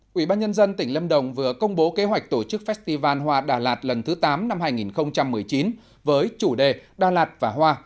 quỹ ban nhân dân tỉnh lâm đồng vừa công bố kế hoạch tổ chức festival hoa đà lạt lần thứ tám năm hai nghìn một mươi chín với chủ đề đà lạt và hoa